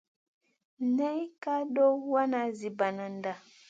Nay ka duhw wana zi banada.